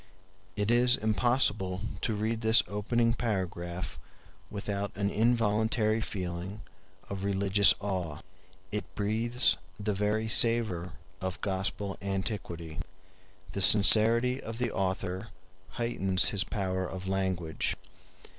It is impossible to read this opening paragraph without an involuntary feeling of religious awe; it breathes the very savor of Gospel antiquity. The sincerity of the author heightens his power of language.